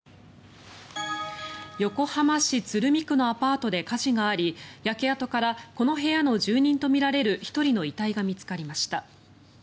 横浜市鶴見区のアパートで火事があり焼け跡からこの部屋の住人とみられる１人の遺体が見つかりました。